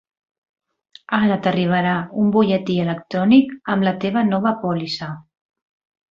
Ara t'arribarà un butlletí electrònic amb la teva nova pòlissa.